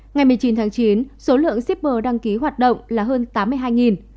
ngày một mươi chín tháng chín số lượng shipper đăng ký hoạt động là hơn tám mươi hai